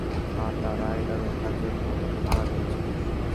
আর তারা এটা রক্ষার জন্য তোকে ভাড়া করেছে।